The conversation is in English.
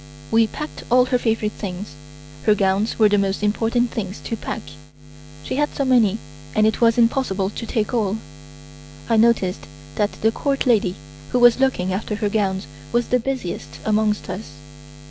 We packed all her favorite things. Her gowns were the most important things to pack, she had so many and it was impossible to take all. I noticed that the Court lady who was looking after her gowns was the busiest amongst us.